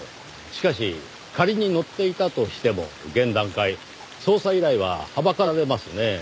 しかし仮に乗っていたとしても現段階捜査依頼ははばかられますねぇ。